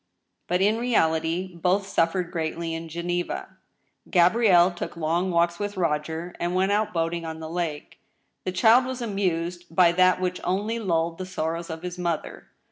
But, in reality, both suffered greatly in Geneva. Gabrielle took long walks with Rog^r, and went out boating on the lake. The child was amused by that which only lulled the sor rows of his mother.